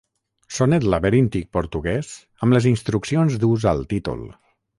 Sonet laberíntic portuguès amb les instruccions d'ús al títol.